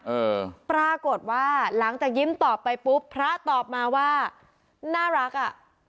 เออปรากฏว่าหลังจากยิ้มตอบไปปุ๊บพระตอบมาว่าน่ารักอ่ะ